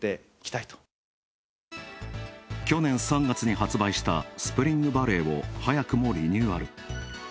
去年３月に発売したスプリングバレーを早くもリニューアル。